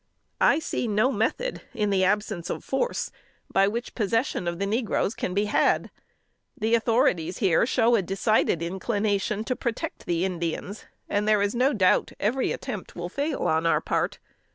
I see no method in the absence of force by which possession of the negroes can be had. The authorities here show a decided inclination to protect the Indians, and there is no doubt every attempt will fail on our part.